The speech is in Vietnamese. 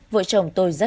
vợ chồng tôi rất buồn